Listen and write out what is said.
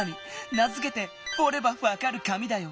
名づけて「おればわかる紙」だよ。